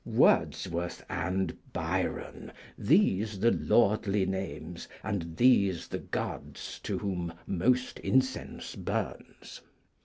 WORDSWORTH and BYRON, these the lordly names And these the gods to whom most incense burns.